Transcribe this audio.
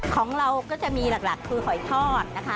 ของเราก็จะมีหลักคือหอยทอดนะคะ